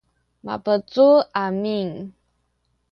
mabecul amin